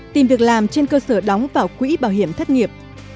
tìm việc làm trên cơ sở đóng vào quỹ bảo hiểm thất nghiệp